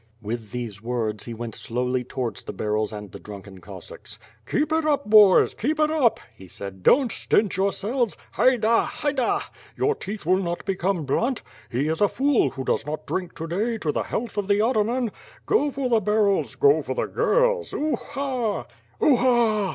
With those words he went slowly towards the barrels and the drunken Cossacks. "Keep it up boys! keep it up!" he said, "don't stint your selves. TTaida! Haida! Your teeth will not become blunt. Ho is a fool who does not drink to day to the health of the atamj^n. Go for the barrels! Go for the girls! Uha!" "TTha!"